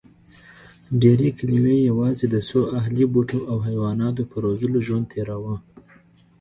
ډېرې کلیوې یواځې د څو اهلي بوټو او حیواناتو په روزلو ژوند تېراوه.